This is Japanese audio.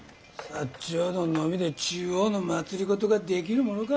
長土のみで中央の政ができるものか。